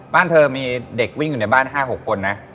บ้านเธอมีเด็กวิ่งอยู่ในบ้าน๕๖คนนะ